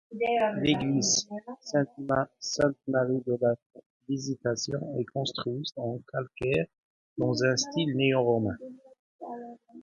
L'église Sainte-Marie-de-la-Visitation est construite en calcaire dans un style néo-roman.